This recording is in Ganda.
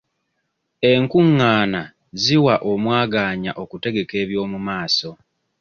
Enkungaana ziwa omwagaanya okutegeka eby'omumaaso.